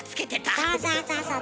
そうそうそうそう！